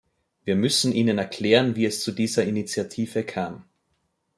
Wir müssen ihnen erklären, wie es zu dieser Initiative kam.